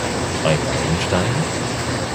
Ein Meilenstein?